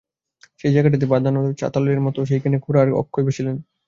সেই জায়গাটাতে বাঁধানো চাতালের মতো ছিল, সেইখানে খুড়া আর অক্ষয় বসিলেন।